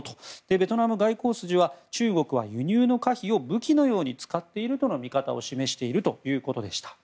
ベトナム外交筋は中国は輸入の可否を武器のように使っているとの見方を示しているということでした。